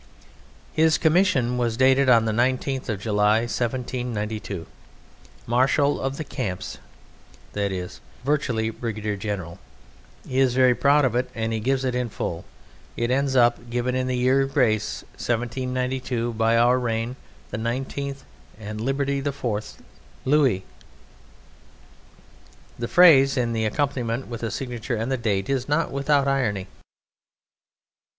His commission was dated on the 19th of July, 1792; Marshal of the Camps, that is, virtually, brigadier general. He is very proud of it, and he gives it in full. It ends up "Given in the year of Grace 1792 of our Reign the 19th and Liberty the 4th. Louis." The phrase, in accompaniment with the signature and the date, is not without irony.